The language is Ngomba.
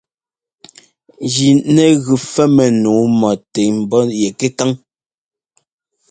Jí nɛ gʉ fɛ́mmɛ nǔu mɔ tɛ ḿbɔ́ yɛ kɛkáŋ.